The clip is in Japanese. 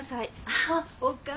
あっお義母さん。